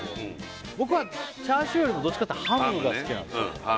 僕はチャーシューよりもどっちかっていったらハムが好きなんですよ